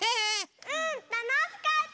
うんたのしかった！